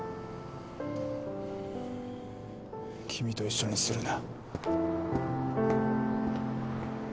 君と一緒にするな。